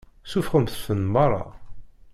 Suffɣemt-ten meṛṛa.